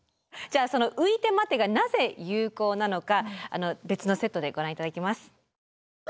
じゃあそのういてまてがなぜ有効なのか別のセットでご覧いただきます。